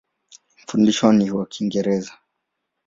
Mafundisho ni kwa Kiingereza.